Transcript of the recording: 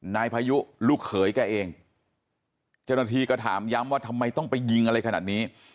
นายพายุลูกเขยแกเองเจ้าหน้าที่ก็ถามย้ำว่าทำไมต้องไปยิงอะไรขนาดนี้